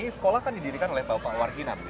sekolah ini kan didirikan oleh pak warkina